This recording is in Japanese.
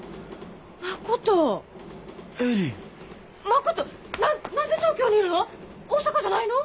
誠何で東京にいるの？